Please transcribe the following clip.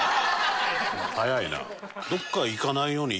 早いな。